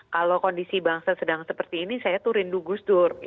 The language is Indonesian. kalau kondisi bangsa sedang seperti ini saya tuh rindu gus dur